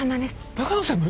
長野専務？